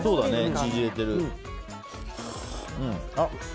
縮れてるね。